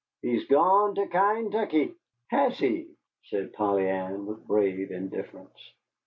He's gone to Kaintuckee." "Has he?" said Polly Ann, with brave indifference.